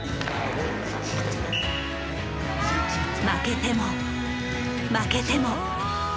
負けても負けても。